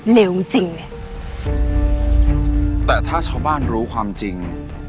เลวจริงเลยแต่ถ้าชาวบ้านรู้ความจริง